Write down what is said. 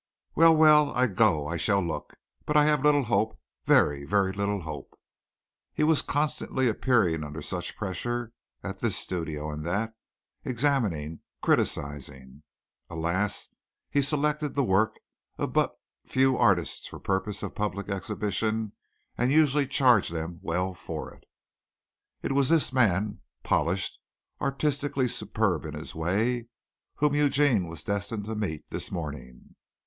"Well, well, I go. I shall look. But I have little hope very, very little hope." He was constantly appearing under such pressure, at this studio and that examining, criticising. Alas, he selected the work of but few artists for purposes of public exhibition and usually charged them well for it. It was this man, polished, artistically superb in his way, whom Eugene was destined to meet this morning.